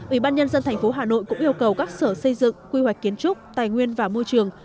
ubnd tp hà nội cũng yêu cầu các sở xây dựng quy hoạch kiến trúc tài nguyên và môi trường